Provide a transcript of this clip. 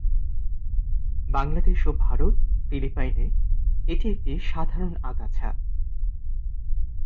বাংলাদেশ ও ভারত, ফিলিপাইনে এটি একটি সাধারণ আগাছা।